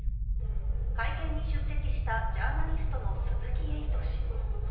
会見に出席したジャーナリストの鈴木エイト氏。